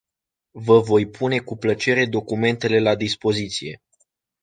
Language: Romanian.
Vă voi pune cu plăcere documentele la dispoziție.